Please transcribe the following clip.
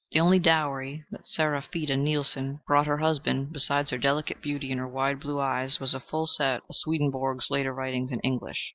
The only dowry that Seraphita Neilsen brought her husband, besides her delicate beauty and her wide blue eyes, was a full set of Swedenborg's later writings in English.